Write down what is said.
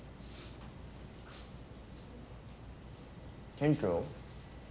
店長？